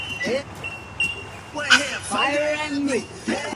This lady at the Italian opera is respectable.